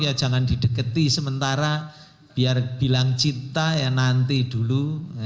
ya jangan didekati sementara biar bilang cipta ya nanti dulu